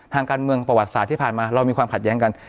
ทางการเมืองประวัติศาสตร์ที่ผ่านมาเรามีความขัดแย้งกัน